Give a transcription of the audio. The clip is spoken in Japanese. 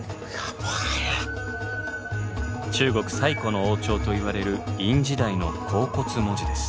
中国最古の王朝といわれる殷時代の甲骨文字です。